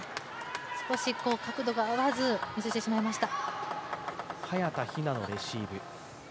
少し角度が合わず、ミスしてしまいました。